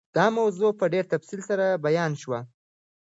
دا موضوع په ډېر تفصیل سره بیان شوه.